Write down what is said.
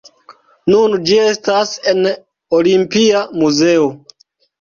Nun ĝi estas en Olimpia muzeo.